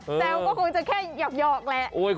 แซวก็คงจะแค่หยอกแหละ